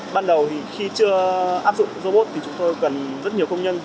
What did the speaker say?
ban đầu thì khi chưa áp dụng robot thì chúng tôi cần rất nhiều công nhân